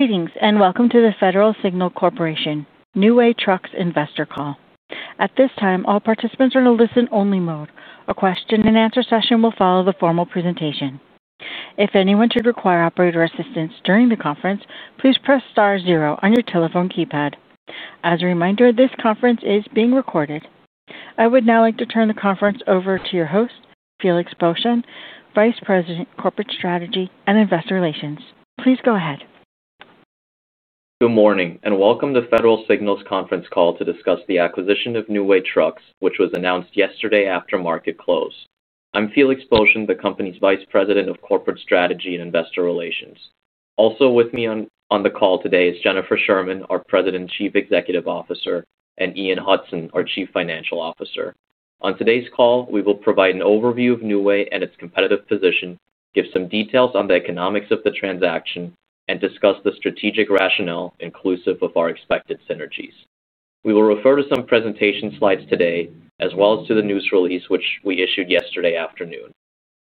morning and welcome to the Federal Signal Corporation New Way Trucks Investor Call. At this time, all participants are in a listen-only mode. A question and answer session will follow the formal presentation. If anyone should require operator assistance during the conference, please press star zero on your telephone keypad. As a reminder, this conference is being recorded. I would now like to turn the conference over to your host, Felix Boeschen, Vice President, Corporate Strategy and Investor Relations. Please go ahead. Good morning and welcome to Federal Signal's conference call to discuss the acquisition of New Way Trucks, which was announced yesterday after market close. I'm Felix Boeschen, the company's Vice President of Corporate Strategy and Investor Relations. Also with me on the call today is Jennifer L. Sherman, our President, Chief Executive Officer, and Ian Hudson, our Chief Financial Officer. On today's call, we will provide an overview of New Way and its competitive position, give some details on the economics of the transaction, and discuss the strategic rationale inclusive of our expected synergies. We will refer to some presentation slides today, as well as to the news release, which we issued yesterday afternoon.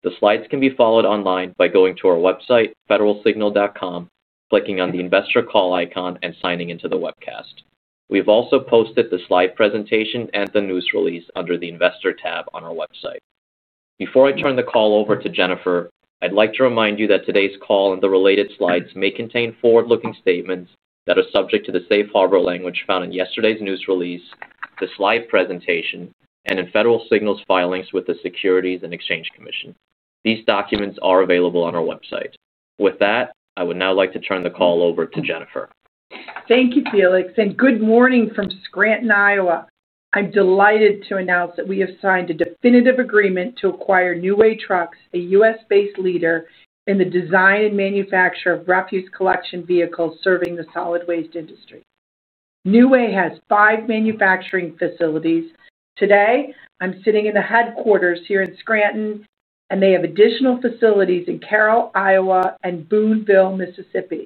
The slides can be followed online by going to our website, federalsignal.com, clicking on the Investor Call icon, and signing into the webcast. We have also posted the slide presentation and the news release under the Investor tab on our website. Before I turn the call over to Jennifer, I'd like to remind you that today's call and the related slides may contain forward-looking statements that are subject to the safe harbor language found in yesterday's news release, the slide presentation, and in Federal Signal's filings with the Securities and Exchange Commission. These documents are available on our website. With that, I would now like to turn the call over to Jennifer. Thank you, Felix, and good morning from Scranton, Iowa. I'm delighted to announce that we have signed a definitive agreement to acquire New Way Trucks, a U.S.-based leader in the design and manufacture of refuse collection vehicles serving the solid waste industry. New Way has five manufacturing facilities. Today, I'm sitting in the headquarters here in Scranton, and they have additional facilities in Carroll, Iowa, and Booneville, Mississippi.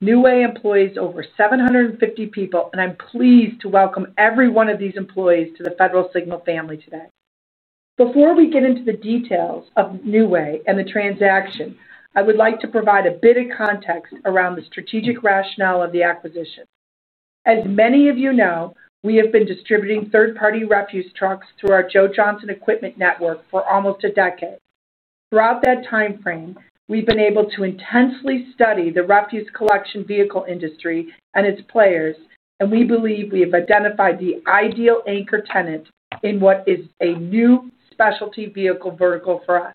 New Way employs over 750 people, and I'm pleased to welcome every one of these employees to the Federal Signal family today. Before we get into the details of New Way and the transaction, I would like to provide a bit of context around the strategic rationale of the acquisition. As many of you know, we have been distributing third-party refuse trucks through our Joe Johnson Equipment network for almost a decade. Throughout that timeframe, we've been able to intensely study the refuse collection vehicle industry and its players, and we believe we have identified the ideal anchor tenant in what is a new specialty vehicle vertical for us.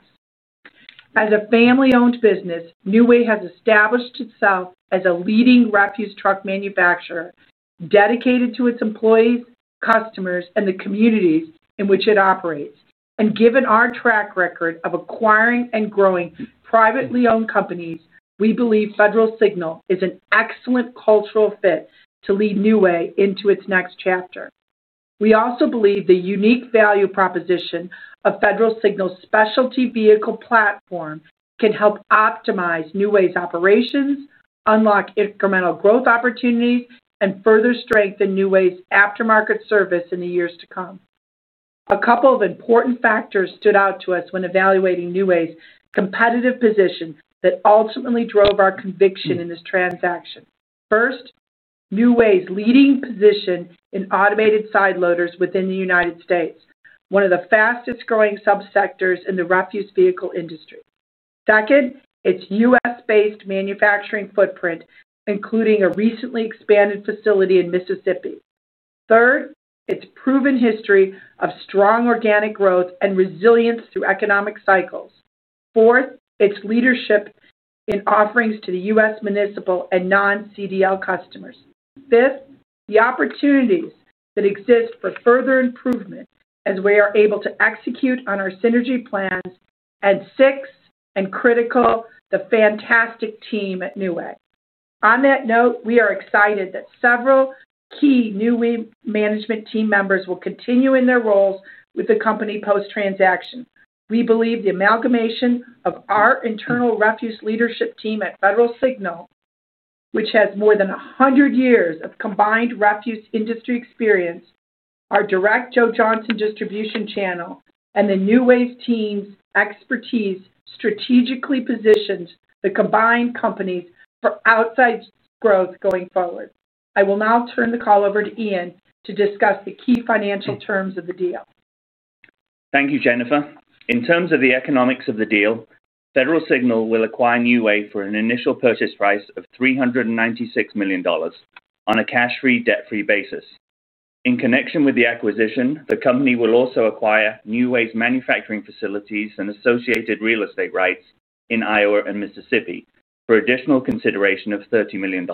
As a family-owned business, New Way has established itself as a leading refuse truck manufacturer dedicated to its employees, customers, and the communities in which it operates. Given our track record of acquiring and growing privately owned companies, we believe Federal Signal is an excellent cultural fit to lead New Way into its next chapter. We also believe the unique value proposition of Federal Signal's specialty vehicle platform can help optimize New Way's operations, unlock incremental growth opportunities, and further strengthen New Way's aftermarket service in the years to come. A couple of important factors stood out to us when evaluating New Way's competitive position that ultimately drove our conviction in this transaction. First, New Way's leading position in automated side loaders within the United States, one of the fastest growing subsectors in the refuse vehicle industry. Second, its U.S.-based manufacturing footprint, including a recently expanded facility in Mississippi. Third, its proven history of strong organic growth and resilience through economic cycles. Fourth, its leadership in offerings to the U.S. municipal and non-CDL customers. Fifth, the opportunities that exist for further improvement as we are able to execute on our synergy plans. Sixth, and critical, the fantastic team at New Way. We are excited that several key New Way management team members will continue in their roles with the company post-transaction. We believe the amalgamation of our internal refuse leadership team at Federal Signal, which has more than 100 years of combined refuse industry experience, our direct Joe Johnson distribution channel, and the New Way team's expertise strategically positions the combined company for outside growth going forward. I will now turn the call over to Ian to discuss the key financial terms of the deal. Thank you, Jennifer. In terms of the economics of the deal, Federal Signal will acquire New Way Trucks for an initial purchase price of $396 million on a cash-free, debt-free basis. In connection with the acquisition, the company will also acquire New Way Trucks' manufacturing facilities and associated real estate rights in Iowa and Mississippi for additional consideration of $30 million.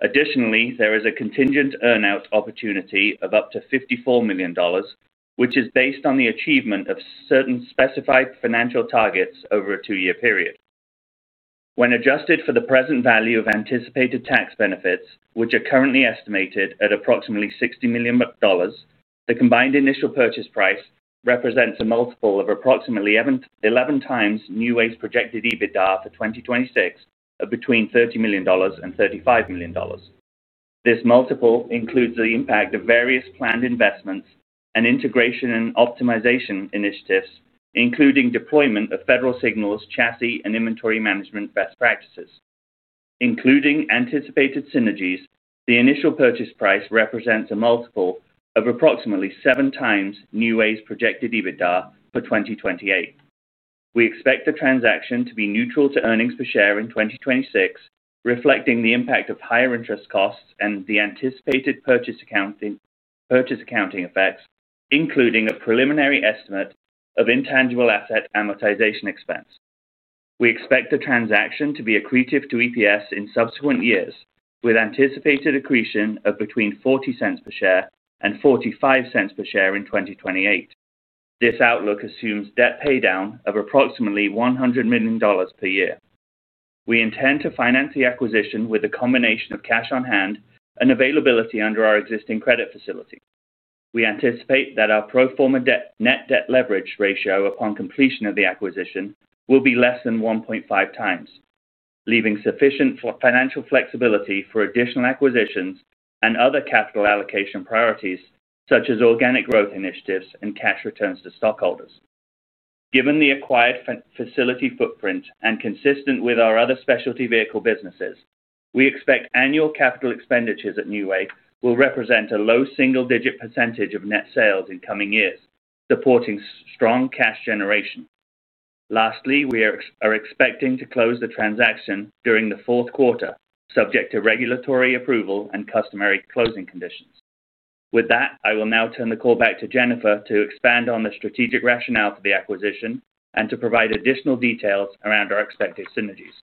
Additionally, there is a contingent earnout opportunity of up to $54 million, which is based on the achievement of certain specified financial targets over a two-year period. When adjusted for the present value of anticipated tax benefits, which are currently estimated at approximately $60 million, the combined initial purchase price represents a multiple of approximately 11x New Way Trucks' projected EBITDA for 2026 of between $30 million and $35 million. This multiple includes the impact of various planned investments and integration and optimization initiatives, including deployment of Federal Signal's chassis and inventory management best practices. Including anticipated synergies, the initial purchase price represents a multiple of approximately seven times New Way Trucks' projected EBITDA for 2028. We expect the transaction to be neutral to earnings per share in 2026, reflecting the impact of higher interest costs and the anticipated purchase accounting effects, including a preliminary estimate of intangible asset amortization expense. We expect the transaction to be accretive to EPS in subsequent years, with anticipated accretion of between $0.40 per share and $0.45 per share in 2028. This outlook assumes debt paydown of approximately $100 million per year. We intend to finance the acquisition with a combination of cash on hand and availability under our existing credit facility. We anticipate that our pro forma net debt leverage ratio upon completion of the acquisition will be less than 1.5 times, leaving sufficient financial flexibility for additional acquisitions and other capital allocation priorities, such as organic growth initiatives and cash returns to stockholders. Given the acquired facility footprint and consistent with our other specialty vehicle businesses, we expect annual capital expenditures at New Way Trucks will represent a low single-digit % of net sales in coming years, supporting strong cash generation. Lastly, we are expecting to close the transaction during the fourth quarter, subject to regulatory approval and customary closing conditions. With that, I will now turn the call back to Jennifer to expand on the strategic rationale for the acquisition and to provide additional details around our expected synergies.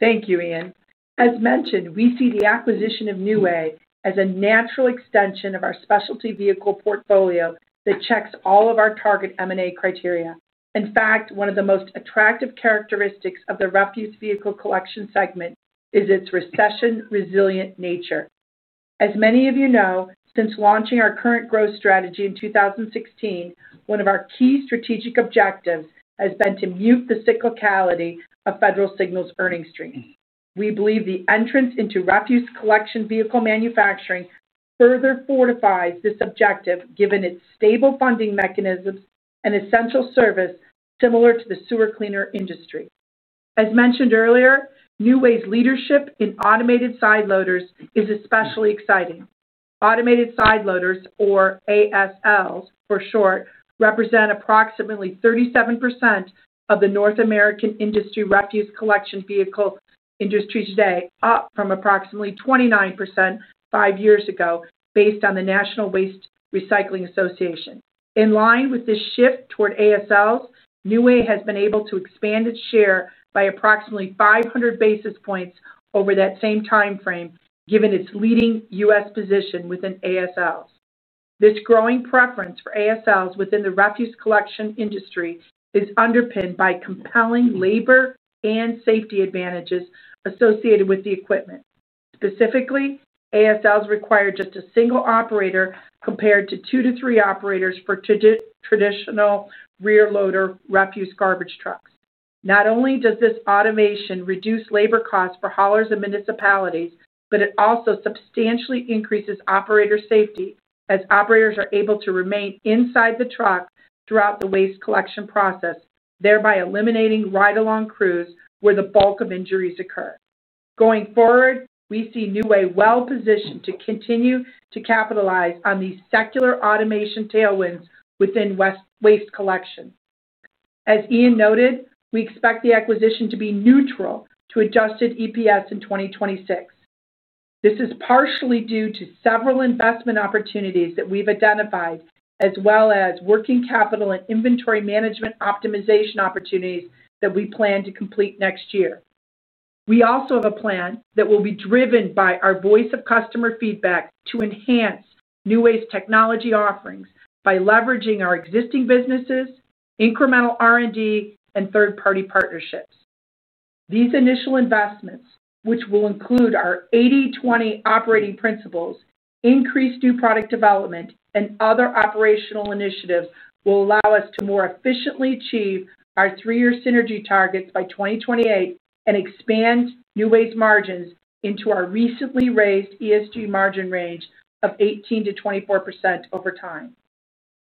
Thank you, Ian. As mentioned, we see the acquisition of New Way Trucks as a natural extension of our specialty vehicle portfolio that checks all of our target M&A criteria. In fact, one of the most attractive characteristics of the refuse vehicle collection segment is its recession-resilient nature. As many of you know, since launching our current growth strategy in 2016, one of our key strategic objectives has been to mute the cyclicality of Federal Signal's earnings streams. We believe the entrance into refuse collection vehicle manufacturing further fortifies this objective, given its stable funding mechanisms and essential service similar to the sewer cleaner industry. As mentioned earlier, New Way Trucks' leadership in automated side loaders is especially exciting. Automated side loaders, or ASLs for short, represent approximately 37% of the North American refuse collection vehicle industry today, up from approximately 29% five years ago, based on the National Waste Recycling Association. In line with this shift toward ASLs, New Way Trucks has been able to expand its share by approximately 500 basis points over that same timeframe, given its leading U.S. position within ASLs. This growing preference for ASLs within the refuse collection industry is underpinned by compelling labor and safety advantages associated with the equipment. Specifically, ASLs require just a single operator compared to two to three operators for traditional rear loader refuse garbage trucks. Not only does this automation reduce labor costs for haulers and municipalities, but it also substantially increases operator safety, as operators are able to remain inside the truck throughout the waste collection process, thereby eliminating ride-along crews where the bulk of injuries occur. Going forward, we see New Way Trucks well positioned to continue to capitalize on these secular automation tailwinds within waste collection. As Ian noted, we expect the acquisition to be neutral to adjusted EPS in 2026. This is partially due to several investment opportunities that we've identified, as well as working capital and inventory management optimization opportunities that we plan to complete next year. We also have a plan that will be driven by our voice of customer feedback to enhance New Way Trucks' technology offerings by leveraging our existing businesses, incremental R&D, and third-party partnerships. These initial investments, which will include our 80/20 operational principles, increased new product development, and other operational initiatives, will allow us to more efficiently achieve our three-year synergy targets by 2028 and expand New Way's margins into our recently raised ESG margin range of 18%-24% over time.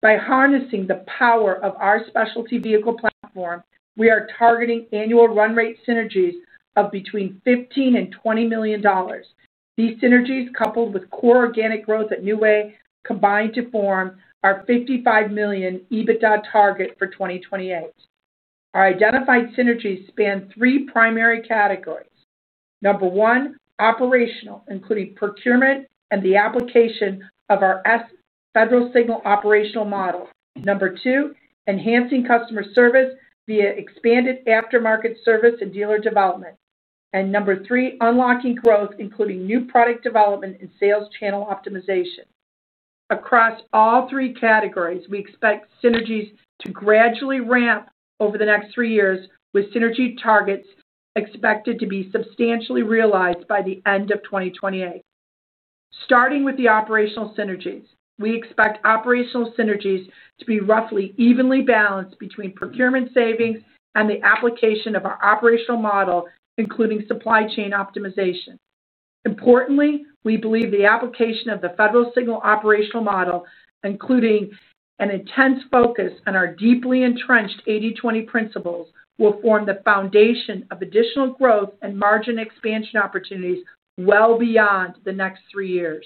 By harnessing the power of our specialty vehicle platform, we are targeting annual run-rate synergies of between $15 million and $20 million. These synergies, coupled with core organic growth at New Way, combine to form our $55 million EBITDA target for 2028. Our identified synergies span three primary categories. Number one, operational, including procurement and the application of our Federal Signal operational model. Number two, enhancing customer service via expanded aftermarket service and dealer development. Number three, unlocking growth, including new product development and sales channel optimization. Across all three categories, we expect synergies to gradually ramp over the next three years, with synergy targets expected to be substantially realized by the end of 2028. Starting with the operational synergies, we expect operational synergies to be roughly evenly balanced between procurement savings and the application of our operational model, including supply chain optimization. Importantly, we believe the application of the Federal Signal operational model, including an intense focus on our deeply entrenched 80/20 principles, will form the foundation of additional growth and margin expansion opportunities well beyond the next three years.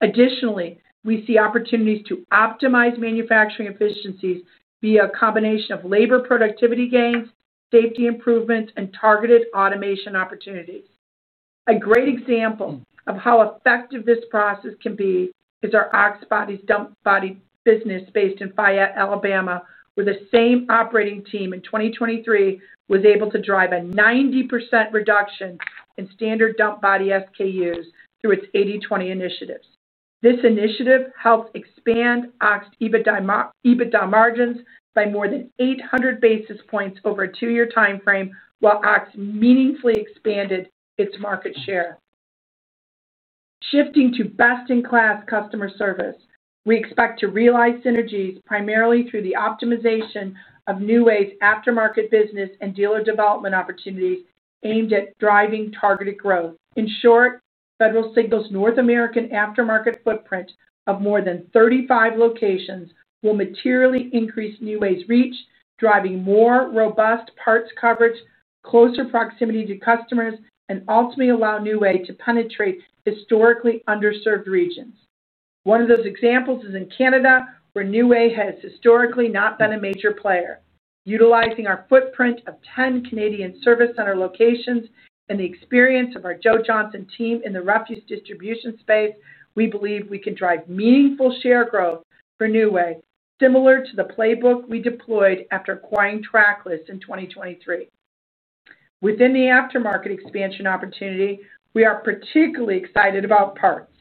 Additionally, we see opportunities to optimize manufacturing efficiencies via a combination of labor productivity gains, safety improvements, and targeted automation opportunities. A great example of how effective this process can be is our Ox Bodies dump body business based in Fayette, Alabama, where the same operating team in 2023 was able to drive a 90% reduction in standard dump body SKUs through its 80/20 initiatives. This initiative helped expand Ox's EBITDA margins by more than 800 basis points over a two-year timeframe, while Ox meaningfully expanded its market share. Shifting to best-in-class customer service, we expect to realize synergies primarily through the optimization of New Way's aftermarket business and dealer development opportunities aimed at driving targeted growth. In short, Federal Signal's North American aftermarket footprint of more than 35 locations will materially increase New Way's reach, driving more robust parts coverage, closer proximity to customers, and ultimately allowing New Way to penetrate historically underserved regions. One of those examples is in Canada, where New Way has historically not been a major player. Utilizing our footprint of 10 Canadian service center locations and the experience of our Joe Johnson team in the refuse distribution space, we believe we can drive meaningful share growth for New Way, similar to the playbook we deployed after acquiring Tracklist in 2023. Within the aftermarket expansion opportunity, we are particularly excited about parts.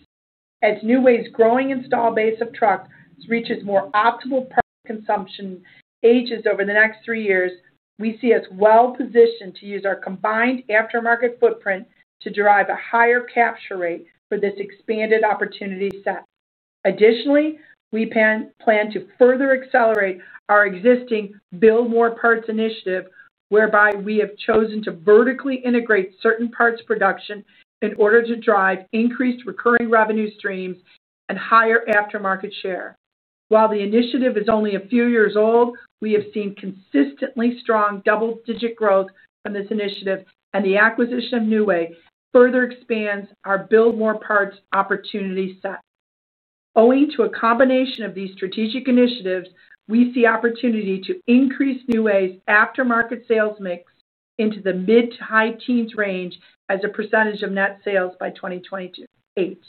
As New Way's growing install base of trucks reaches more optimal part consumption ages over the next three years, we see us well positioned to use our combined aftermarket footprint to drive a higher capture rate for this expanded opportunity set. Additionally, we plan to further accelerate our existing Build More Parts initiative, whereby we have chosen to vertically integrate certain parts production in order to drive increased recurring revenue streams and higher aftermarket share. While the initiative is only a few years old, we have seen consistently strong double-digit growth from this initiative, and the acquisition of New Way further expands our Build More Parts opportunity set. Owing to a combination of these strategic initiatives, we see opportunity to increase New Way's aftermarket sales mix into the mid to high teens range as a % of net sales by 2028.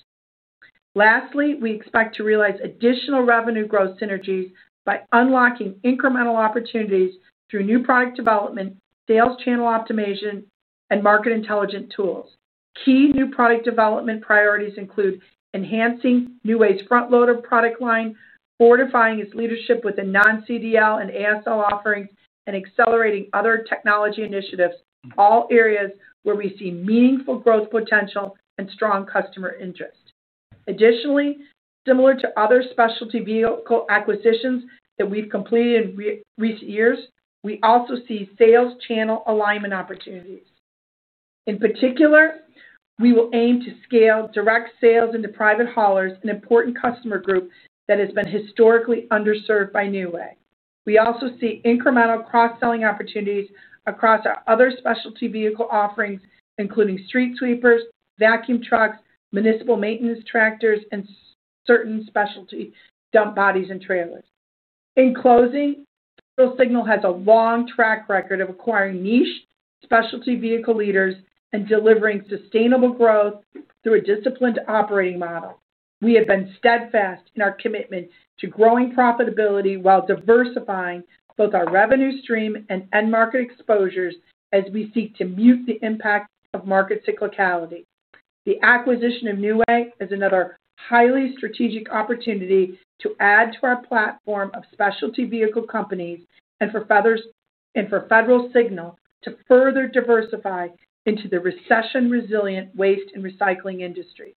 Lastly, we expect to realize additional revenue growth synergies by unlocking incremental opportunities through new product development, sales channel optimization, and market intelligence tools. Key new product development priorities include enhancing New Way's front loader product line, fortifying its leadership within non-CDL and ASL offerings, and accelerating other technology initiatives, all areas where we see meaningful growth potential and strong customer interest. Additionally, similar to other specialty vehicle acquisitions that we've completed in recent years, we also see sales channel alignment opportunities. In particular, we will aim to scale direct sales into private haulers, an important customer group that has been historically underserved by New Way. We also see incremental cross-selling opportunities across our other specialty vehicle offerings, including street sweepers, vacuum trucks, municipal maintenance tractors, and certain specialty dump bodies and trailers. In closing, Federal Signal has a long track record of acquiring niche specialty vehicle leaders and delivering sustainable growth through a disciplined operating model. We have been steadfast in our commitment to growing profitability while diversifying both our revenue stream and end market exposures as we seek to mute the impact of market cyclicality. The acquisition of New Way Trucks is another highly strategic opportunity to add to our platform of specialty vehicle companies and for Federal Signal to further diversify into the recession-resilient waste and recycling industry.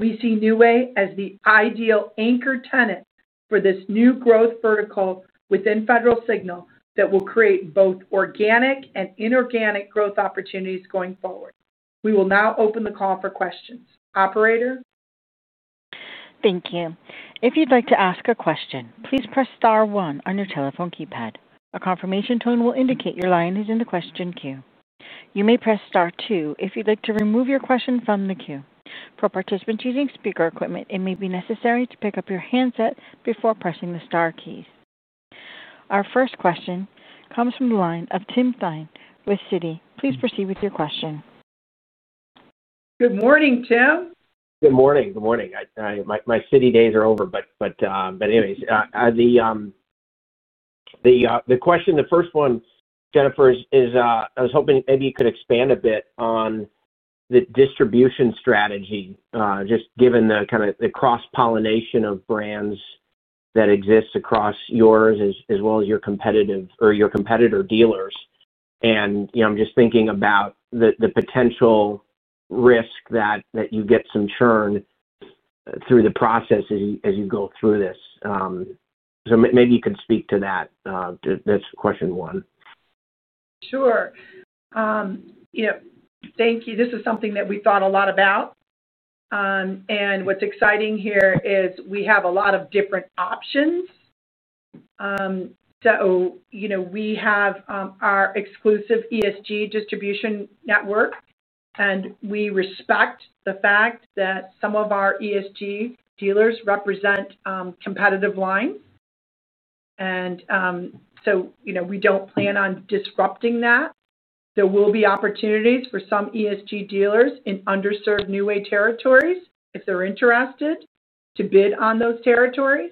We see New Way Trucks as the ideal anchor tenant for this new growth vertical within Federal Signal that will create both organic and inorganic growth opportunities going forward. We will now open the call for questions. Operator? Thank you. If you'd like to ask a question, please press star one on your telephone keypad. A confirmation tone will indicate your line is in the question queue. You may press star two if you'd like to remove your question from the queue. For participants using speaker equipment, it may be necessary to pick up your handset before pressing the star keys. Our first question comes from the line of Tim Thein with Citi. Please proceed with your question. Good morning, Tim. Good morning. My CITI days are over, but anyways, the question, the first one, Jennifer, is I was hoping maybe you could expand a bit on the distribution strategy, just given the kind of the cross-pollination of brands that exist across yours as well as your competitive or your competitor dealers. You know I'm just thinking about the potential risk that you get some churn through the process as you go through this. Maybe you could speak to that. That's question one. Sure. Yeah. Thank you. This is something that we've thought a lot about. What's exciting here is we have a lot of different options. We have our exclusive ESG distribution network, and we respect the fact that some of our ESG dealers represent competitive lines. We don't plan on disrupting that. There will be opportunities for some ESG dealers in underserved New Way territories if they're interested to bid on those territories.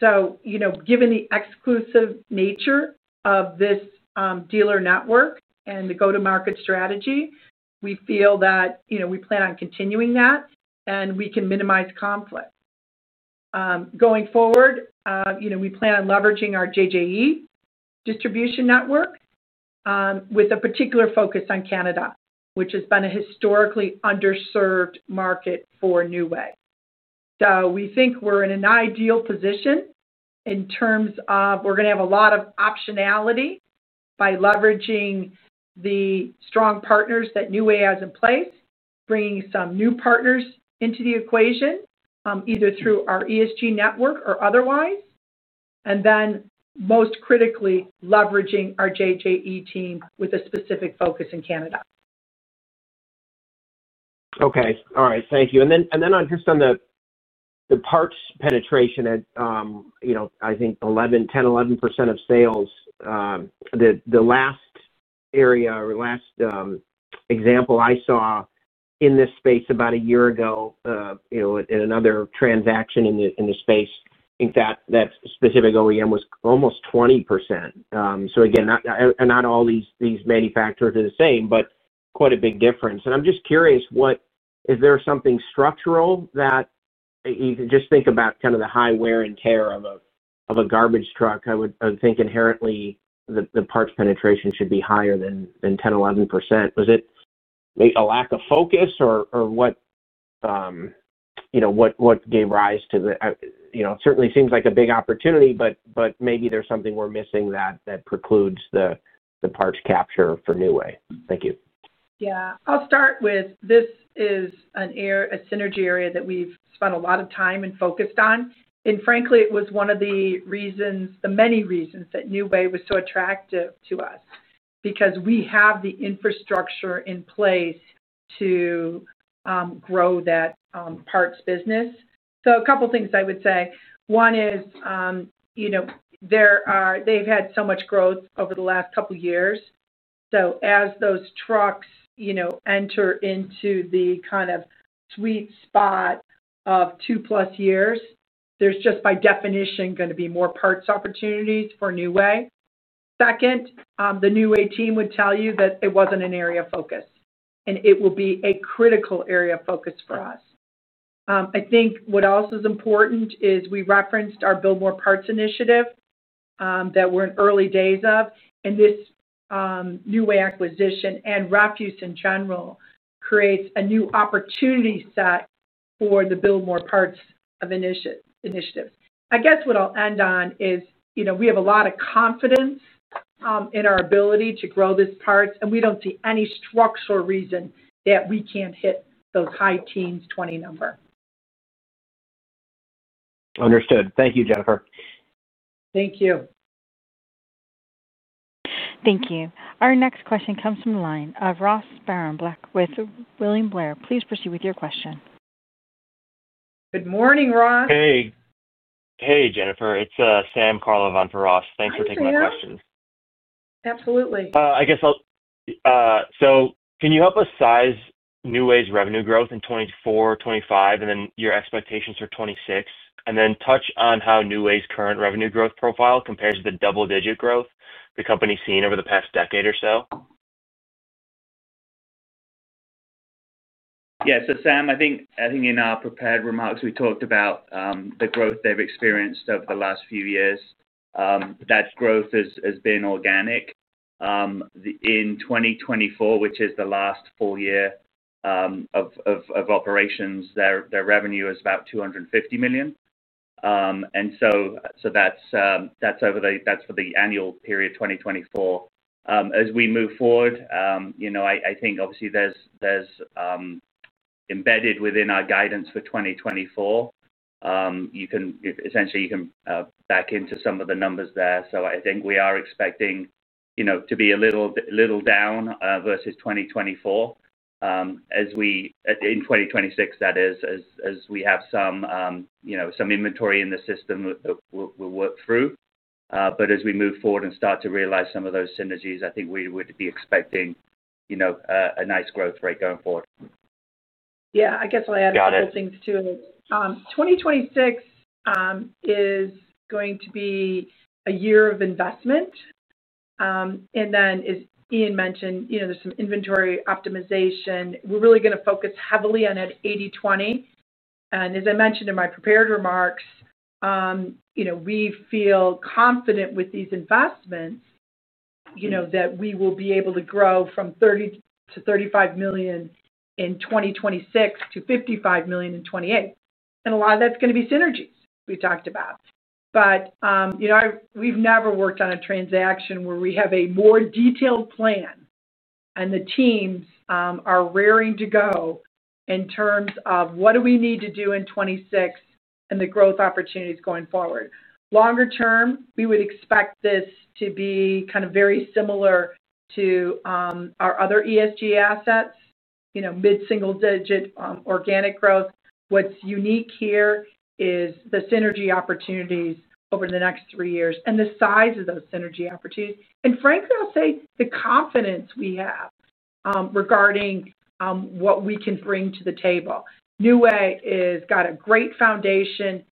Given the exclusive nature of this dealer network and the go-to-market strategy, we feel that we plan on continuing that, and we can minimize conflict. Going forward, we plan on leveraging our Joe Johnson Equipment distribution network with a particular focus on Canada, which has been a historically underserved market for New Way. We think we're in an ideal position in terms of we're going to have a lot of optionality by leveraging the strong partners that New Way has in place, bringing some new partners into the equation, either through our ESG network or otherwise, and then most critically, leveraging our Joe Johnson Equipment team with a specific focus in Canada. Okay. All right. Thank you. On the parts penetration, I think 10, 11% of sales. The last area or last example I saw in this space about a year ago in another transaction in the space, I think that specific OEM was almost 20%. Not all these manufacturers are the same, but quite a big difference. I'm just curious, is there something structural that you can just think about, kind of the high wear and tear of a garbage truck? I would think inherently the parts penetration should be higher than 10, 11%. Was it a lack of focus or what gave rise to the, you know, it certainly seems like a big opportunity, but maybe there's something we're missing that precludes the parts capture for New Way. Thank you. Yeah. I'll start with this is a synergy area that we've spent a lot of time and focused on. Frankly, it was one of the reasons, the many reasons that New Way was so attractive to us because we have the infrastructure in place to grow that parts business. A couple of things I would say. One is, you know, they've had so much growth over the last couple of years. As those trucks enter into the kind of sweet spot of two-plus years, there's just, by definition, going to be more parts opportunities for New Way. The New Way team would tell you that it wasn't an area of focus, and it will be a critical area of focus for us. I think what else is important is we referenced our Build More Parts initiative that we're in early days of. This New Way acquisition and refuse in general creates a new opportunity set for the Build More Parts initiatives. I guess what I'll end on is, you know, we have a lot of confidence in our ability to grow this parts, and we don't see any structural reason that we can't hit those high teens 20 number. Understood. Thank you, Jennifer. Thank you. Thank you. Our next question comes from the line of Ross Sparrenblick with William Blair. Please proceed with your question. Good morning, Ross. Hey, Jennifer. It's Sam Carlavant for Ross. Thanks for taking my questions. Absolutely. Can you help us size New Way's revenue growth in 2024, 2025, and then your expectations for 2026, and then touch on how New Way's current revenue growth profile compares to the double-digit growth the company's seen over the past decade or so? Yeah. Sam, I think in our prepared remarks, we talked about the growth they've experienced over the last few years. That growth has been organic. In 2024, which is the last full year of operations, their revenue is about $250 million. That's for the annual period of 2024. As we move forward, I think obviously that's embedded within our guidance for 2024. You can essentially back into some of the numbers there. I think we are expecting to be a little down versus 2024 in 2026, as we have some inventory in the system that we'll work through. As we move forward and start to realize some of those synergies, I think we would be expecting a nice growth rate going forward. Yeah. I guess I'll add another thing too. 2026 is going to be a year of investment. As Ian mentioned, there's some inventory optimization. We're really going to focus heavily on that 80/20. As I mentioned in my prepared remarks, we feel confident with these investments that we will be able to grow from $30 million-$35 million in 2026 to $55 million in 2028. A lot of that's going to be synergies we talked about. We've never worked on a transaction where we have a more detailed plan and the teams are raring to go in terms of what do we need to do in 2026 and the growth opportunities going forward. Longer term, we would expect this to be kind of very similar to our other ESG assets, mid-single-digit organic growth. What's unique here is the synergy opportunities over the next three years and the size of those synergy opportunities. Frankly, I'll say the confidence we have regarding what we can bring to the table. New Way Trucks has got a great foundation.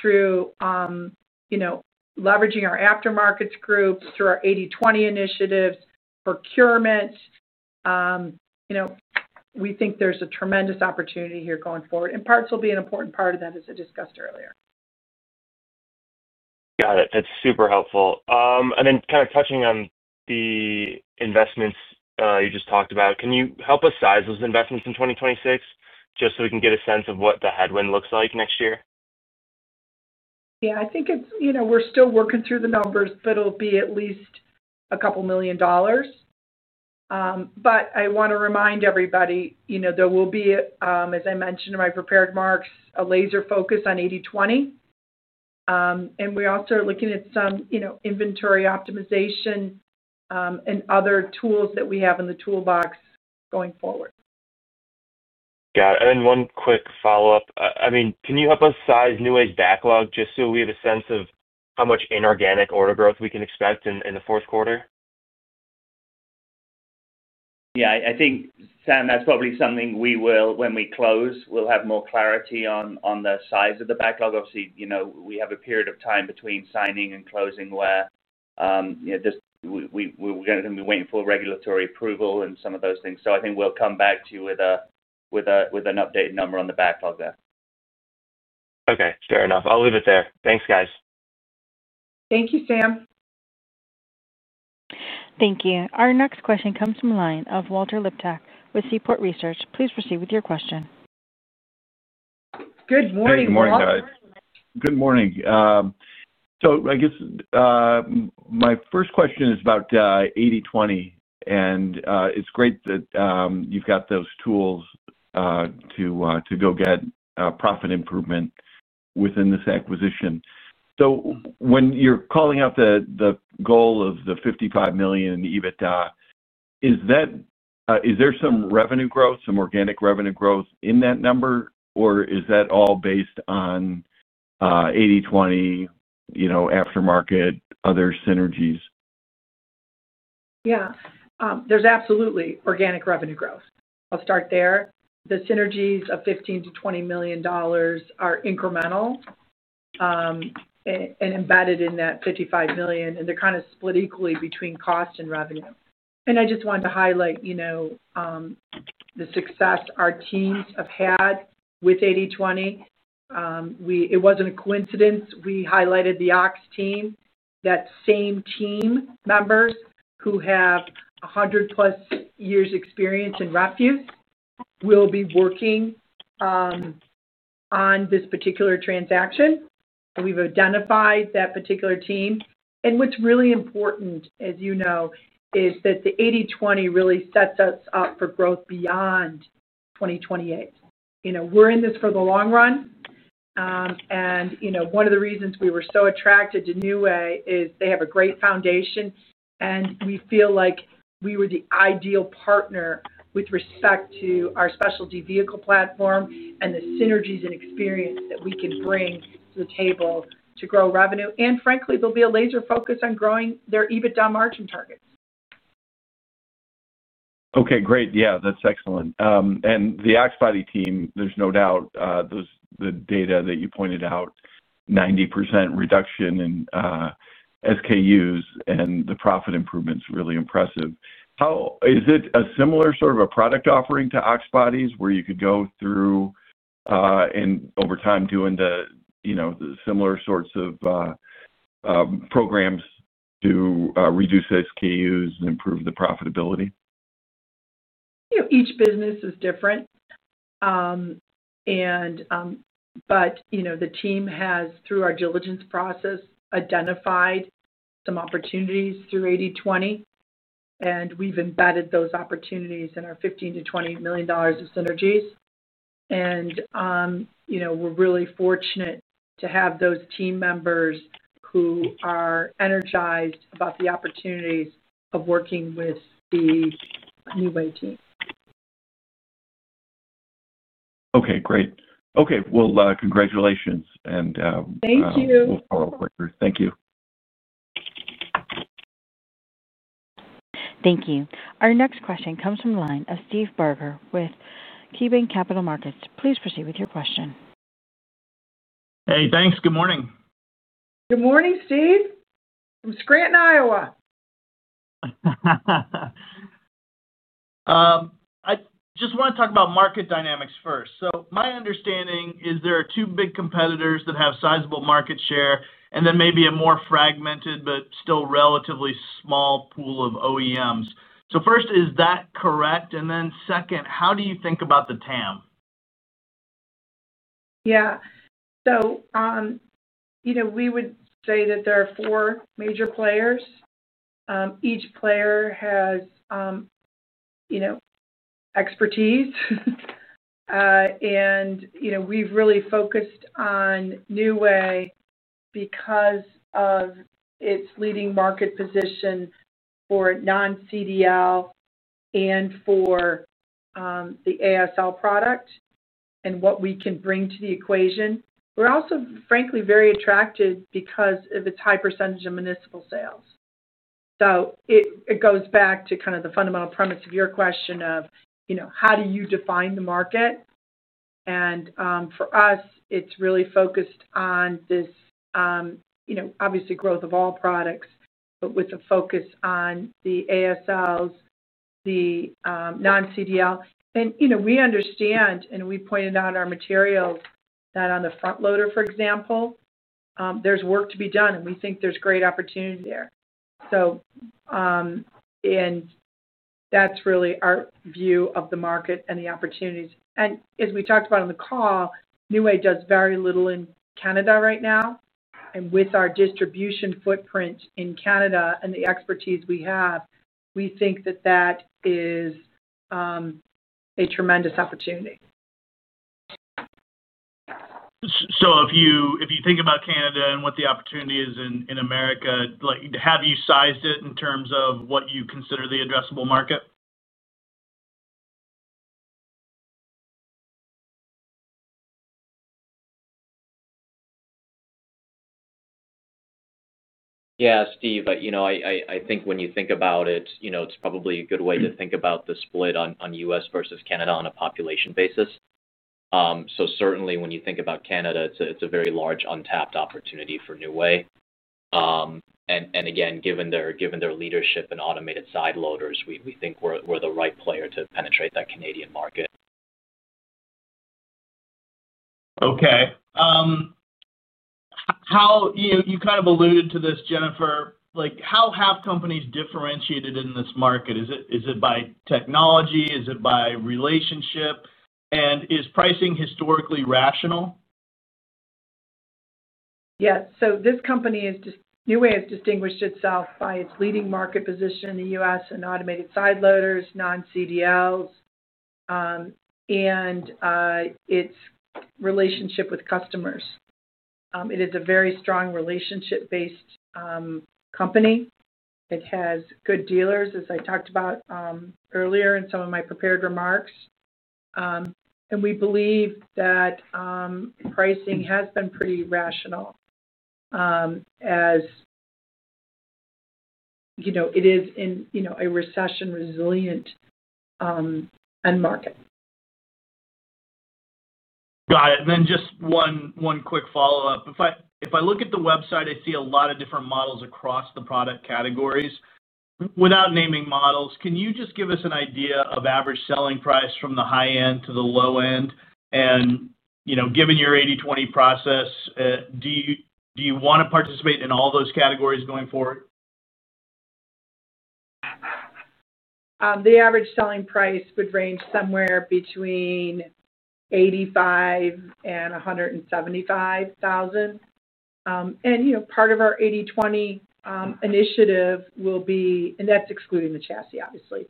Through leveraging our aftermarket groups, through our 80/20 initiatives, procurement, we think there's a tremendous opportunity here going forward. Parts will be an important part of that, as I discussed earlier. Got it. That's super helpful. Kind of touching on the investments you just talked about, can you help us size those investments in 2026 just so we can get a sense of what the headwind looks like next year? Yeah. I think it's, you know, we're still working through the numbers, but it'll be at least a couple million dollars. I want to remind everybody, you know, there will be, as I mentioned in my prepared remarks, a laser focus on 80/20. We also are looking at some, you know, inventory optimization and other tools that we have in the toolbox going forward. Got it. One quick follow-up. Can you help us size New Way's backlog just so we have a sense of how much inorganic order growth we can expect in the fourth quarter? Yeah. I think, Sam, that's probably something we will, when we close, we'll have more clarity on the size of the backlog. Obviously, you know, we have a period of time between signing and closing where, you know, we're going to be waiting for regulatory approval and some of those things. I think we'll come back to you with an updated number on the backlog there. Okay. Fair enough. I'll leave it there. Thanks, guys. Thank you, Sam. Thank you. Our next question comes from the line of Walter Liptak with Seaport Research. Please proceed with your question. Good morning. Thank you for joining, guys. Good morning. I guess my first question is about 80/20. It's great that you've got those tools to go get profit improvement within this acquisition. When you're calling out the goal of the $55 million EBITDA, is there some revenue growth, some organic revenue growth in that number, or is that all based on 80/20, you know, aftermarket, other synergies? Yeah. There's absolutely organic revenue growth. I'll start there. The synergies of $15 to $20 million are incremental and embedded in that $55 million, and they're kind of split equally between cost and revenue. I just wanted to highlight, you know, the success our teams have had with 80/20. It wasn't a coincidence. We highlighted the Ox team, that same team members who have 100-plus years' experience in refuse will be working on this particular transaction. We've identified that particular team. What's really important, as you know, is that the 80/20 really sets us up for growth beyond 2028. You know, we're in this for the long run. One of the reasons we were so attracted to New Way Trucks is they have a great foundation, and we feel like we were the ideal partner with respect to our specialty vehicle platform and the synergies and experience that we can bring to the table to grow revenue. Frankly, there'll be a laser focus on growing their EBITDA margin targets. Okay. Great. Yeah. That's excellent. The Oxbody team, there's no doubt, the data that you pointed out, 90% reduction in SKUs and the profit improvement is really impressive. Is it a similar sort of a product offering to Oxbody where you could go through and over time do the similar sorts of programs to reduce SKUs and improve the profitability? Each business is different. The team has, through our diligence process, identified some opportunities through 80/20, and we've embedded those opportunities in our $15 to $20 million of synergies. We're really fortunate to have those team members who are energized about the opportunities of working with the New Way team. Okay. Great. Okay. Congratulations. Thank you. Thank you. Thank you. Our next question comes from the line of Steve Barger with KeyBanc Capital Markets. Please proceed with your question. Hey, thanks. Good morning. Good morning, Steve. I'm in Scranton, Iowa. I just want to talk about market dynamics first. My understanding is there are two big competitors that have sizable market share, and then maybe a more fragmented but still relatively small pool of OEMs. Is that correct? How do you think about the TAM? Yeah. We would say that there are four major players. Each player has expertise. We've really focused on New Way Trucks because of its leading market position for non-CDL and for the ASL product and what we can bring to the equation. We're also, frankly, very attracted because of its high percentage of municipal sales. It goes back to the fundamental premise of your question of how do you define the market. For us, it's really focused on this, obviously, growth of all products, but with a focus on the ASLs, the non-CDL. We understand, and we pointed out in our materials, that on the front loader, for example, there's work to be done, and we think there's great opportunity there. That's really our view of the market and the opportunities. As we talked about on the call, New Way Trucks does very little in Canada right now. With our distribution footprint in Canada and the expertise we have, we think that is a tremendous opportunity. If you think about Canada and what the opportunity is in America, have you sized it in terms of what you consider the addressable market? Yeah, Steve. I think when you think about it, it's probably a good way to think about the split on U.S. versus Canada on a population basis. Certainly, when you think about Canada, it's a very large untapped opportunity for New Way. Given their leadership in automated side loaders, we think we're the right player to penetrate that Canadian market. Okay. You kind of alluded to this, Jennifer. How have companies differentiated in this market? Is it by technology? Is it by relationship? Is pricing historically rational? Yeah. This company is just New Way has distinguished itself by its leading market position in the U.S. in automated side loaders, non-CDLs, and its relationship with customers. It is a very strong relationship-based company. It has good dealers, as I talked about earlier in some of my prepared remarks. We believe that pricing has been pretty rational as you know, it is in a recession-resilient end market. Got it. Just one quick follow-up. If I look at the website, I see a lot of different models across the product categories. Without naming models, can you give us an idea of average selling price from the high end to the low end? Given your 80/20 operational principles, do you want to participate in all those categories going forward? The average selling price would range somewhere between $85,000 and $175,000. Part of our 80/20 initiative will be, and that's excluding the chassis, obviously.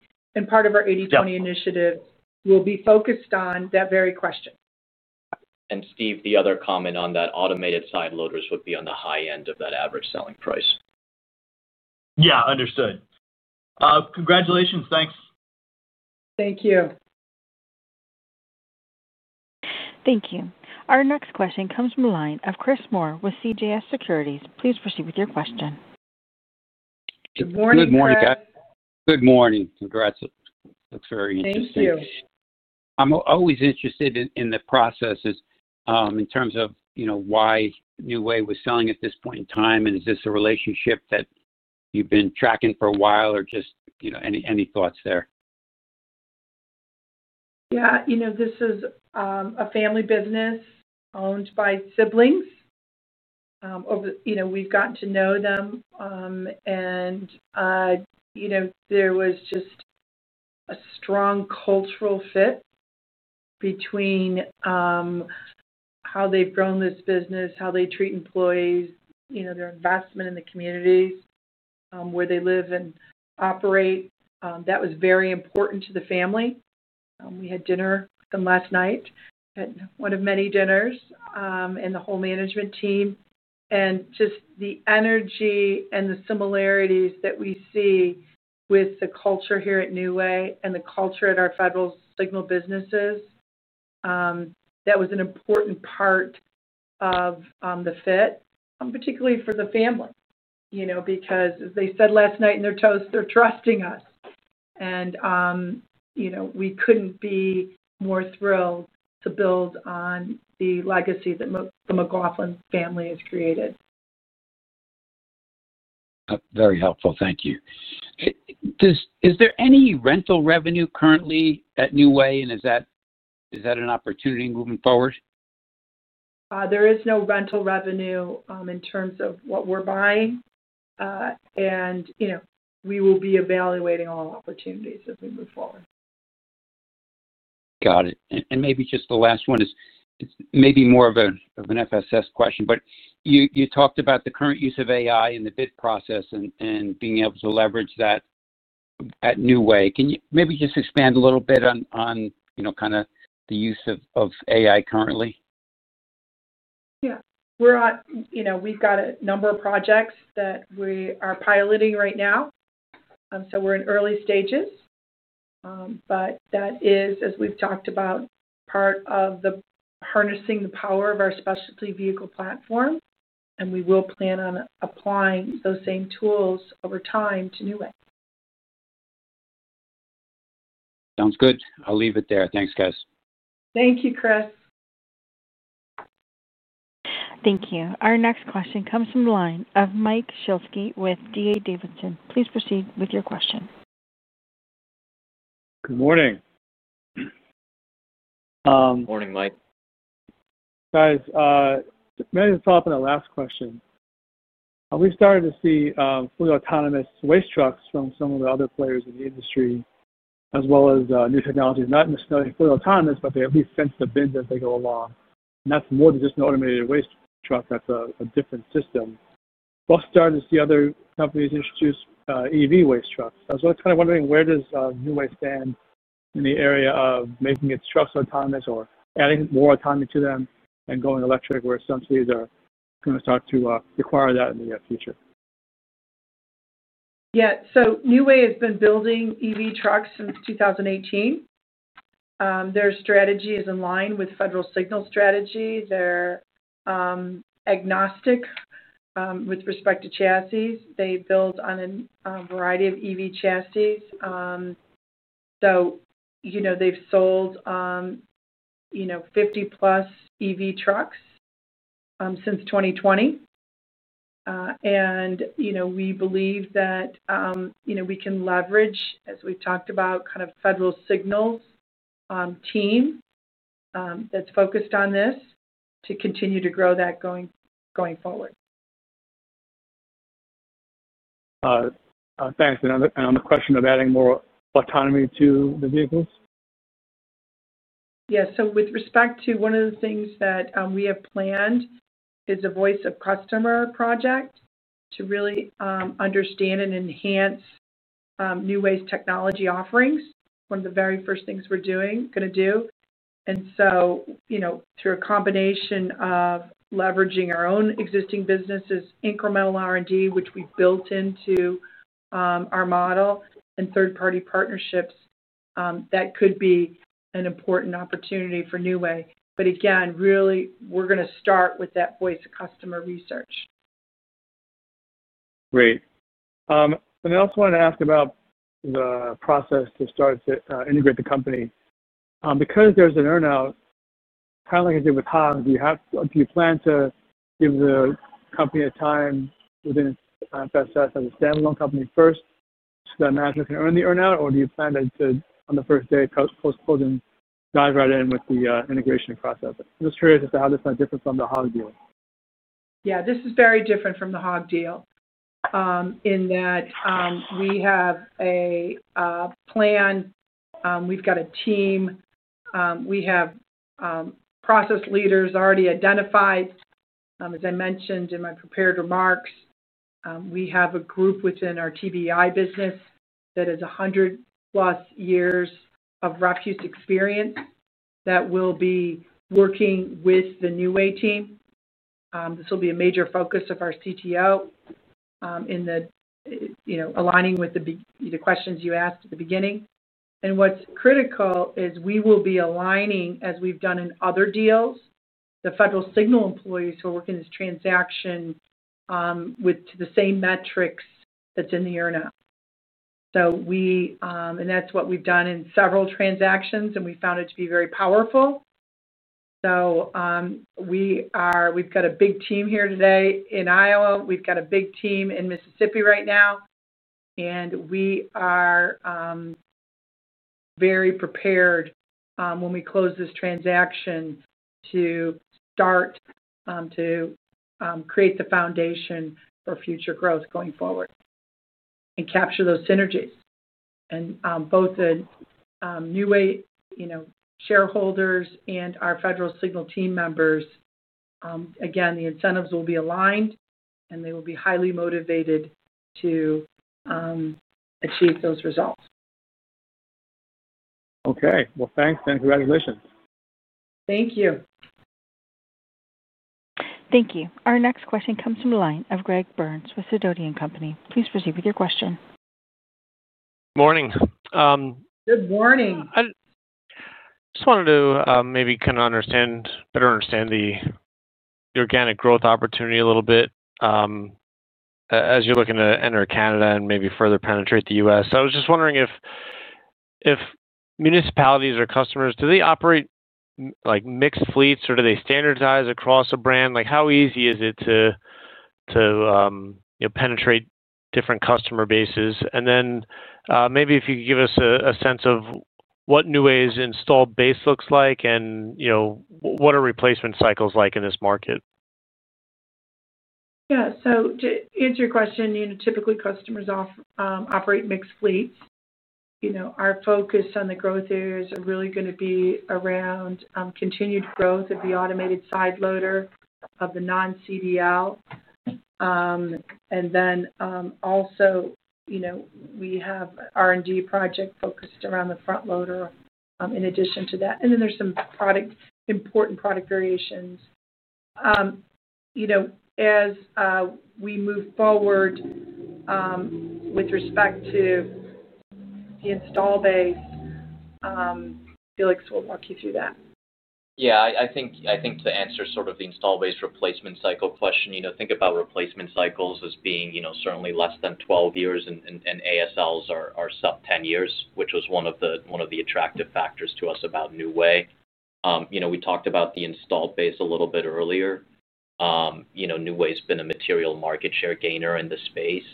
Part of our 80/20 initiative will be focused on that very question. Automated side loaders would be on the high end of that average selling price. Yeah, understood. Congratulations. Thanks. Thank you. Thank you. Our next question comes from the line of Chris Moore with CJS Securities. Please proceed with your question. Good morning. Good morning, guys. Good morning. Congrats. That's very interesting. Thank you. I'm always interested in the processes in terms of, you know, why New Way was selling at this point in time, and is this a relationship that you've been tracking for a while, or just, you know, any thoughts there? Yeah. This is a family business owned by siblings. We've gotten to know them, and there was just a strong cultural fit between how they've grown this business, how they treat employees, their investment in the communities where they live and operate. That was very important to the family. We had dinner with them last night at one of many dinners with the whole management team. The energy and the similarities that we see with the culture here at New Way and the culture at our Federal Signal businesses, that was an important part of the fit, particularly for the family. As they said last night in their toast, they're trusting us. We couldn't be more thrilled to build on the legacy that the McLaughlin family has created. Very helpful. Thank you. Is there any rental revenue currently at New Way, and is that an opportunity moving forward? There is no rental revenue in terms of what we're buying. We will be evaluating all opportunities as we move forward. Got it. Maybe just the last one is maybe more of an FSS question, but you talked about the current use of AI in the bid process and being able to leverage that at New Way. Can you maybe just expand a little bit on, you know, kind of the use of AI currently? Yeah. We've got a number of projects that we are piloting right now. We're in early stages. That is, as we've talked about, part of harnessing the power of our specialty vehicle platform. We will plan on applying those same tools over time to New Way. Sounds good. I'll leave it there. Thanks, guys. Thank you, Chris. Thank you. Our next question comes from the line of Mike Shlisky with D.A. Davidson. Please proceed with your question. Good morning. Morning, Mike. Guys, may I just follow up on that last question? We've started to see fully autonomous waste trucks from some of the other players in the industry, as well as new technologies. Not necessarily fully autonomous, but they at least sense the bins as they go along. That's more than just an automated waste truck. That's a different system. We're also starting to see other companies introduce EV waste trucks. I was kind of wondering where does New Way Trucks stand in the area of making its trucks autonomous or adding more autonomy to them and going electric where some cities are going to start to require that in the future? Yeah. So New Way has been building EV trucks since 2018. Their strategy is in line with Federal Signal's strategy. They're agnostic with respect to chassis. They build on a variety of EV chassis. They've sold 50-plus EV trucks since 2020. We believe that we can leverage, as we've talked about, kind of Federal Signal's team that's focused on this to continue to grow that going forward. Thank you. On the question of adding more autonomy to the vehicles? Yeah. With respect to one of the things that we have planned, it is a voice of customer project to really understand and enhance New Way's technology offerings. One of the very first things we're going to do. Through a combination of leveraging our own existing businesses, incremental R&D, which we've built into our model, and third-party partnerships, that could be an important opportunity for New Way. Again, we're going to start with that voice of customer research. Great. I also wanted to ask about the process to start to integrate the company. Because there's an earnout, kind of like I did with Hog, do you plan to give the company a time within its FSS as a standalone company first so that management can earn the earnout, or do you plan to, on the first day post-closing, dive right in with the integration process? I'm just curious as to how this might differ from the Hog deal. Yeah. This is very different from the Hog deal in that we have a plan. We've got a team. We have process leaders already identified. As I mentioned in my prepared remarks, we have a group within our TBI business that has 100+ years of refuse experience that will be working with the New Way team. This will be a major focus of our CTO, aligning with the questions you asked at the beginning. What's critical is we will be aligning, as we've done in other deals, the Federal Signal employees who are working in this transaction with the same metrics that's in the earnout. That's what we've done in several transactions, and we found it to be very powerful. We've got a big team here today in Iowa. We've got a big team in Mississippi right now. We are very prepared when we close this transaction to start to create the foundation for future growth going forward and capture those synergies. Both the New Way shareholders and our Federal Signal team members, again, the incentives will be aligned, and they will be highly motivated to achieve those results. Okay. Thanks, and congratulations. Thank you. Thank you. Our next question comes from the line of Greg Burns with Sedgwick Company. Please proceed with your question. Morning. Good morning. I just wanted to maybe kind of understand, better understand the organic growth opportunity a little bit as you're looking to enter Canada and maybe further penetrate the U.S. I was just wondering if municipalities or customers, do they operate like mixed fleets or do they standardize across a brand? Like how easy is it to, you know, penetrate different customer bases? If you could give us a sense of what New Way Trucks' installed base looks like and, you know, what are replacement cycles like in this market? Yeah. To answer your question, you know, typically, customers operate mixed fleets. You know, our focus on the growth areas are really going to be around continued growth of the automated side loader of the non-CDL. Also, you know, we have R&D projects focused around the front loader in addition to that. There are some important product variations. As we move forward with respect to the install base, Felix will walk you through that. Yeah. I think the answer is sort of the install base replacement cycle question. You know, think about replacement cycles as being, you know, certainly less than 12 years, and ASLs are sub-10 years, which was one of the attractive factors to us about New Way. You know, we talked about the install base a little bit earlier. New Way's been a material market share gainer in the space.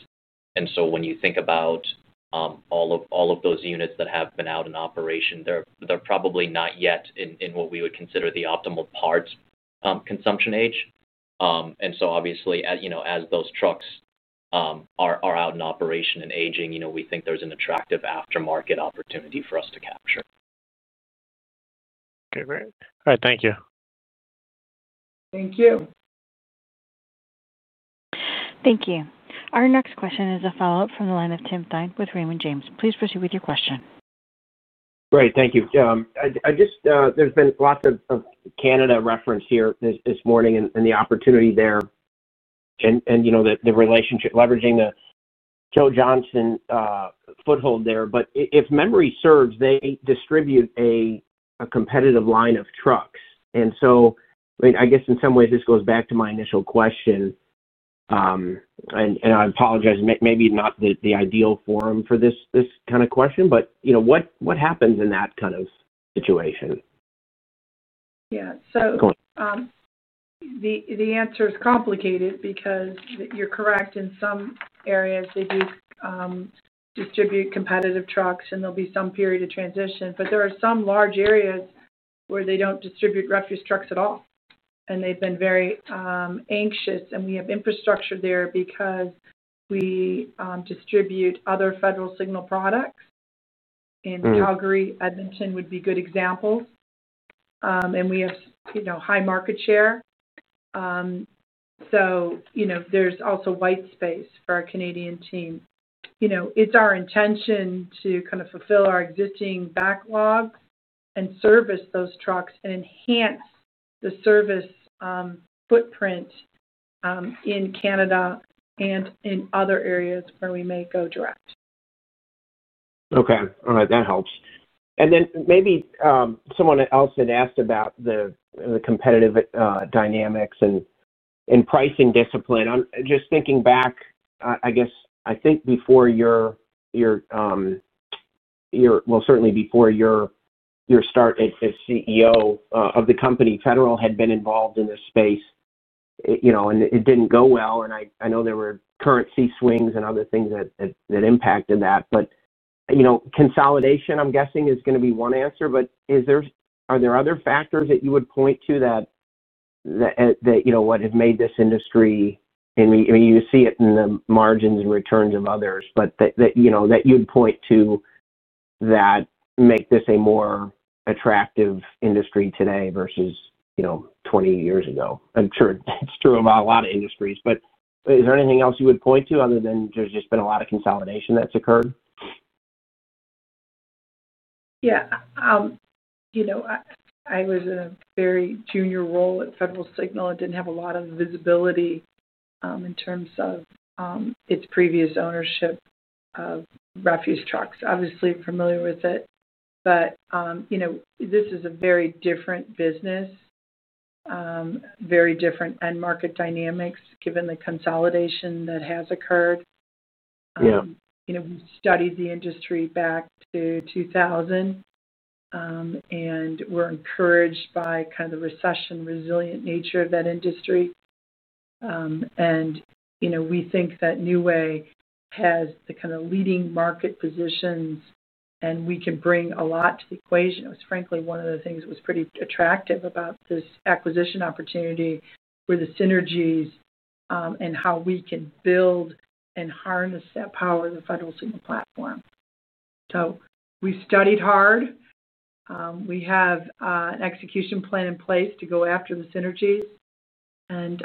When you think about all of those units that have been out in operation, they're probably not yet in what we would consider the optimal parts consumption age. Obviously, you know, as those trucks are out in operation and aging, you know, we think there's an attractive aftermarket opportunity for us to capture. Okay, great. All right. Thank you. Thank you. Thank you. Our next question is a follow-up from the line of Tim Thein with Raymond James. Please proceed with your question. Great. Thank you. There's been lots of Canada reference here this morning and the opportunity there. You know, the relationship leveraging the Joe Johnson foothold there. If memory serves, they distribute a competitive line of trucks. I guess in some ways, this goes back to my initial question. I apologize, maybe not the ideal forum for this kind of question, but you know, what happens in that kind of situation? Yeah. The answer is complicated because you're correct. In some areas, they do distribute competitive trucks, and there'll be some period of transition. There are some large areas where they don't distribute refuse trucks at all. They've been very anxious, and we have infrastructure there because we distribute other Federal Signal products. Calgary and Edmonton would be good examples, and we have, you know, high market share. There's also white space for our Canadian team. It's our intention to kind of fulfill our existing backlog and service those trucks and enhance the service footprint in Canada and in other areas where we may go direct. Okay. All right. That helps. Maybe someone else had asked about the competitive dynamics and pricing discipline. I'm just thinking back, I guess, I think before your, certainly before your start as CEO of the company, Federal Signal had been involved in this space, you know, and it didn't go well. I know there were currency swings and other things that impacted that. Consolidation, I'm guessing, is going to be one answer. Are there other factors that you would point to that, you know, have made this industry, and you see it in the margins and returns of others, that you'd point to that make this a more attractive industry today versus 20 years ago? I'm sure it's true about a lot of industries. Is there anything else you would point to other than there's just been a lot of consolidation that's occurred? Yeah. I was in a very junior role at Federal Signal. I didn't have a lot of visibility in terms of its previous ownership of refuse trucks. Obviously, I'm familiar with it. This is a very different business, very different end market dynamics given the consolidation that has occurred. We've studied the industry back to 2000, and we're encouraged by the recession-resilient nature of that industry. We think that New Way has the kind of leading market positions, and we can bring a lot to the equation. It was, frankly, one of the things that was pretty attractive about this acquisition opportunity were the synergies and how we can build and harness that power of the Federal Signal platform. We studied hard. We have an execution plan in place to go after the synergies, and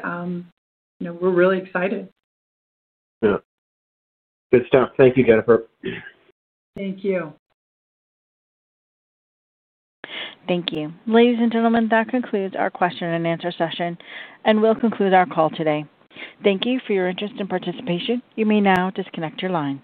we're really excited. Yeah, good stuff. Thank you, Jennifer. Thank you. Thank you. Ladies and gentlemen, that concludes our question and answer session, and we'll conclude our call today. Thank you for your interest and participation. You may now disconnect your line.